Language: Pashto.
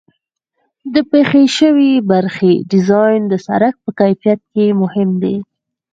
د پخې شوې برخې ډیزاین د سرک په کیفیت کې مهم دی